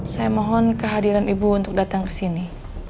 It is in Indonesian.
saya mohon kehadiran ibu untuk datang kesini